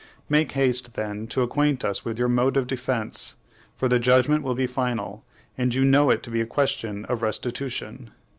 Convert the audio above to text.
Make haste, then, to acquaint us with your mode of defence, for the judgment will be final; and you know it to be a question of restitution.